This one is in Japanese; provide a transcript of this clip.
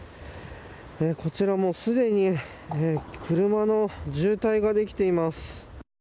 こちらもうすでに車の渋滞ができています。